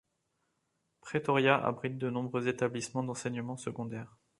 Pretoria abrite de nombreux établissements d'enseignement secondaire.